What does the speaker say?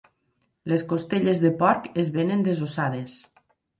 Les costelles de porc es venen desossades.